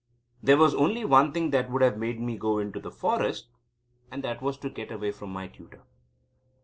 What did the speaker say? There was only one thing that would have made me go into the forest, and that was to get away from my tutor!